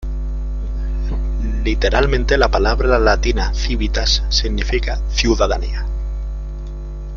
Literalmente la palabra latina "civitas" significa "ciudadanía".